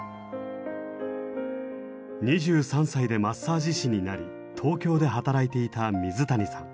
２３歳でマッサージ師になり東京で働いていた水谷さん。